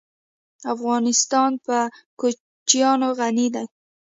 افغانستان په کوچیان غني دی.